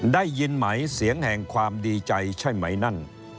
ได้ยินไหมเสียงแห่งความดีใจใช่ไหมนั่น